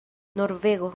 norvego